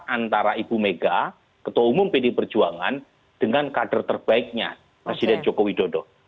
dua ribu dua puluh empat antara ibu mega ketua umum pd perjuangan dengan kader terbaiknya presiden joko widodo